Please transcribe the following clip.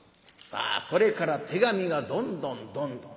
さあそれから手紙がどんどんどんどん。